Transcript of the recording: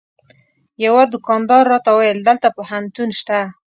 یوه دوکاندار راته وویل دلته پوهنتون شته.